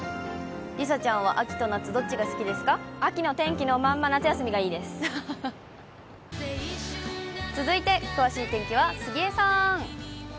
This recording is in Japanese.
梨紗ちゃんは秋と夏、どっちが好秋の天気のまんま、夏休みが続いて詳しい天気は杉江さん。